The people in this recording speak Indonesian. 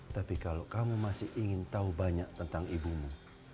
tapi kalau kami masih ingin tahu banyak tentang ibumu